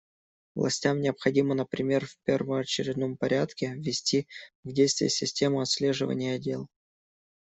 Властям необходимо, например, в первоочередном порядке ввести в действие систему отслеживания дел.